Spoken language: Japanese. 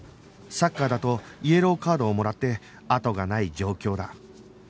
サッカーだとイエローカードをもらって後がない状況だ